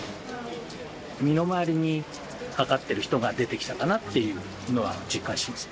身の回りにかかってる人が出てきたかなっていうのは実感しま